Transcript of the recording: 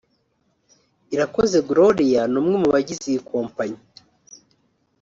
Irakoze Gloria ni umwe mu bagize iyi kompanyi